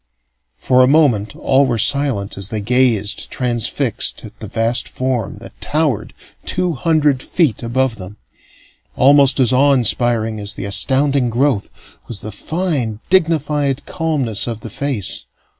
For a moment all were silent as they gazed, transfixed, at the vast form that towered two hundred feet above them. Almost as awe inspiring as the astounding growth was the fine, dignified calmness of the face.